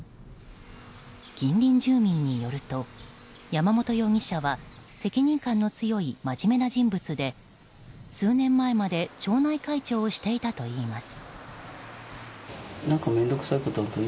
近隣住民によると山本容疑者は責任感の強い真面目な人物で数年前まで町内会長をしていたといいます。